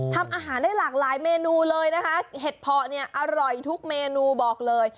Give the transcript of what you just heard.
ทำอาหารได้หลากหลายเมนูเลยนะคะเห็ดเพาะเนี่ยอร่อยทุกเมนูบอกเลย